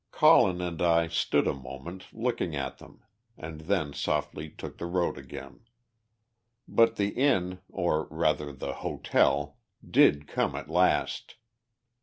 Colin and I stood a moment looking at them, and then softly took the road again. But the inn, or rather the "hotel," did come at last.